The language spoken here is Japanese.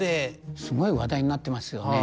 すごい話題になっていますよね。